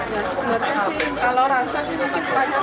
ya sebenarnya sih kalau rasa sih mungkin banyak